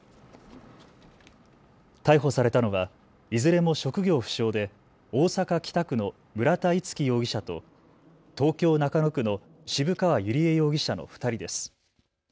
逮捕されたのはいずれも職業不詳で大阪北区の村田樹容疑者と東京中野区の渋川友里恵容疑者の２人です。